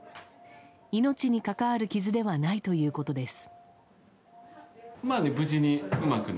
命に関わる傷ではないということです。